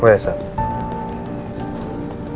oh ya sam